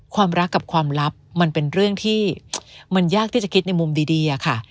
ความรักกับความลับมันเป็นเรื่องที่มันยากที่จะคิดในมุมดีอะค่ะ